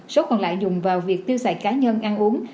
số còn lại dùng vào việc tiêu xài cá nhân ăn uống